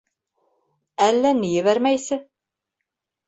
Әллә ни ебәрмәйсе.